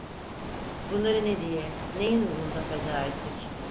Bunları ne diye, neyin uğrunda feda ettik?